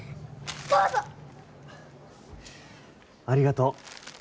ありがとう。